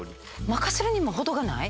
任せるにも程がない？